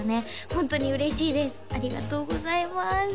ホントに嬉しいですありがとうございます